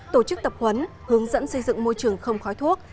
tổ chức tập huấn hướng dẫn xây dựng môi trường không khói thuốc